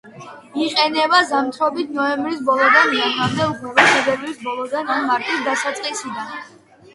იყინება ზამთრობით, ნოემბრის ბოლოდან იანვრამდე, ლღვება თებერვლის ბოლოდან ან მარტის დასაწყისიდან.